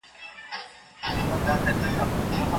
ولي د غوسې پر مهال بحث کول زيان لري؟